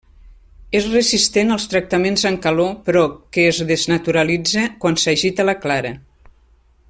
És resistent als tractaments amb calor però que es desnaturalitza quan s'agita la clara.